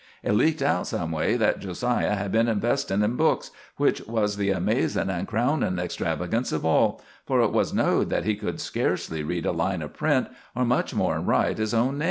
It leaked out some way that Jo siah had been investin' in books, which was the amazin' and crownin' extravagance of all, for hit was knowed that he could scarcely read a line of print or much more 'n write his own name.